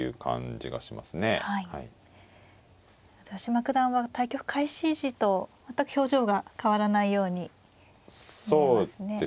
豊島九段は対局開始時と全く表情が変わらないように見えますね。